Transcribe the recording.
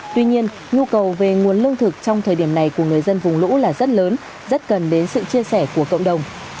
tuy nhiên nhu cầu về nguồn lương thực trong thời điểm này của người dân vùng lũ là rất lớn rất cần đến sự chia sẻ của cộng đồng